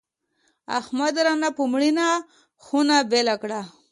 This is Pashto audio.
احمد رانه په مړینه خونه بېله کړه.